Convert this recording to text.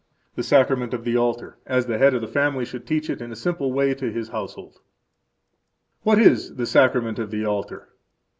The Sacrament of the Altar As the head of the family should teach it in a simple way to his household. What is the Sacrament of the Altar?